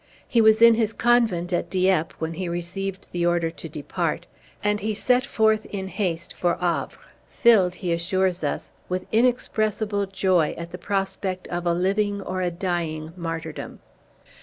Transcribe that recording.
He was in his convent at Dieppe when he received the order to depart; and he set forth in haste for Havre, filled, he assures us, with inexpressible joy at the prospect of a living or a dying martyrdom.